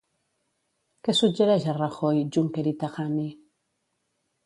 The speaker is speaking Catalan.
Què suggereix a Rajoy, Juncker i Tajani?